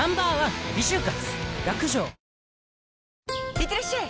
いってらっしゃい！